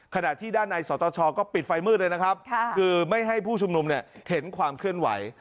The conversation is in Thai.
ขณะที่ด้านในสตชก็ปิดไฟมืดเลยนะครับคือไม่ให้ผู้ชุมนุมเห็นความเคลื่อนไหว